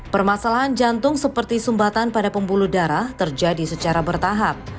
permasalahan jantung seperti sumbatan pada pembuluh darah terjadi secara bertahap